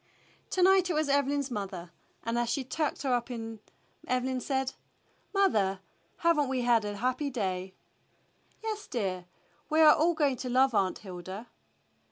To night it was Evelyn's mother, and as she tucked her up Evelyn said, "Mother, have n't we had a happy day?" "Yes, dear. We are all going to love Aunt Hilda."